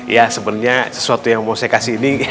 ya sebenarnya sesuatu yang mau saya kasih ini